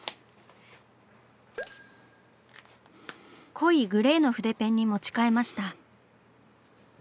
濃いグレーの筆ペンに持ち替えました。